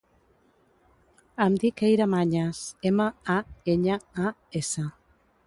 Em dic Eyra Mañas: ema, a, enya, a, essa.